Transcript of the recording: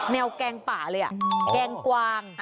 แนวแกงป่าเลยอ่ะแกงกวาง